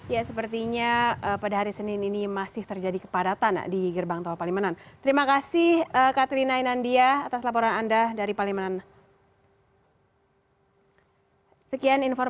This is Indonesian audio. ya sepertinya pada hari senin ini masih terjadi kepadatan di gerbang tol palimanan